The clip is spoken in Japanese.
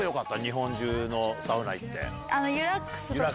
日本中のサウナ行って。